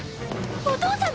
お父様！